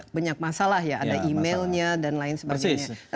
banyak masalah ya ada emailnya dan lain sebagainya